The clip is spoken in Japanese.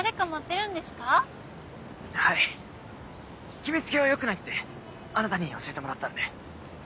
決め付けはよくないってあなたに教えてもらったんで。